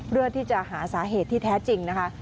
เพื่อที่จะหาสาเหตุที่แท้จริงนะคะ